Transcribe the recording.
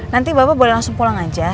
nanti bapak boleh langsung pulang aja